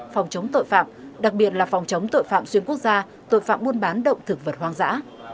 phòng chống tội phạm đặc biệt là phòng chống tội phạm xuyên quốc gia tội phạm buôn bán động thực vật hoang dã